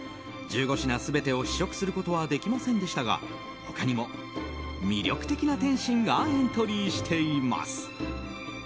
１５品全てを試食することはできませんでしたが他にも魅力的な点心がエントリーしています。